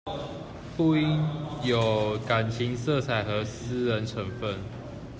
不應有感情色彩和私人成分